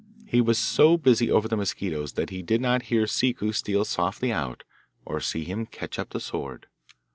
He was so busy over the mosquitos that he did not hear Ciccu steal softly out, or see him catch up the sword.